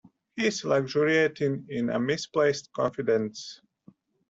He is luxuriating in a misplaced confidence.